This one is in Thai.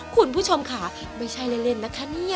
คุณผู้ชมค่ะไม่ใช่เล่นนะคะเนี่ย